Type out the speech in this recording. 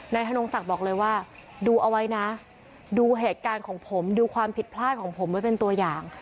ธนงศักดิ์บอกเลยว่าดูเอาไว้นะดูเหตุการณ์ของผมดูความผิดพลาดของผมไว้เป็นตัวอย่าง